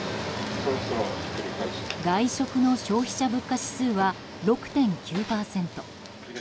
外食の消費者物価指数は６．９％。